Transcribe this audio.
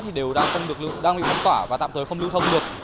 thì đều đang bị phóng tỏa và tạm thời không lưu thông được